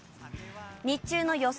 日中の予想